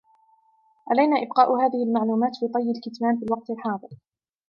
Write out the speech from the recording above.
علينا إبقاء هذه المعلومات في طي الكتمان في الوقت الحاضر.